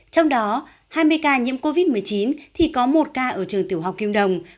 trong đó hai mươi ca nhiễm covid một mươi chín thì có một ca ở trường tiểu học kim đồng